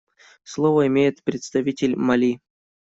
Слово имеет представитель Мали.